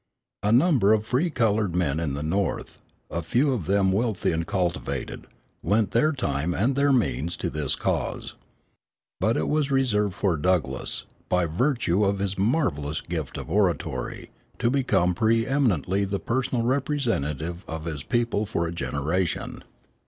A number of free colored men in the North, a few of them wealthy and cultivated, lent their time and their means to this cause. But it was reserved for Douglass, by virtue of his marvellous gift of oratory, to become pre eminently the personal representative of his people for a generation.